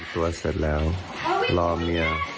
ตัวเสร็จแล้วรอเมีย